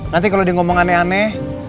nanti kalau dia ngomong aneh aneh